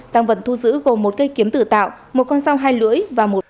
tăng vận thu giữ gồm một cây kiếm tử tạo một con rau hai lưỡi và một